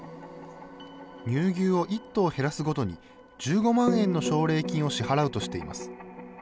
乳牛を１頭減らすごとに１５万円の奨励金を支払うとしています。